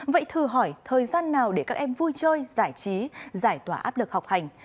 vậy thử hỏi thời gian nào để các em vui chơi giải trí giải tỏa áp lực học hành